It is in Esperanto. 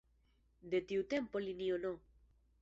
De tiu tempo linio No.